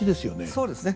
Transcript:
そうですね。